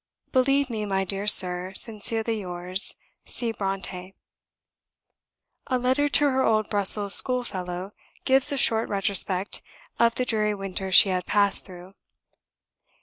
Believe me, my dear Sir, sincerely yours, C. BRONTË." A letter to her old Brussels schoolfellow gives a short retrospect of the dreary winter she had passed through.